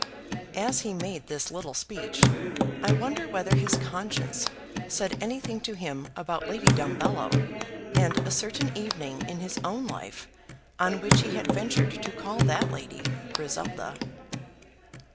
As he made this little speech I wonder whether his conscience said anything to him about Lady Dumbello, and a certain evening in his own life, on which he had ventured to call that lady, Griselda.